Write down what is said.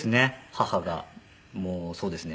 母がもうそうですね。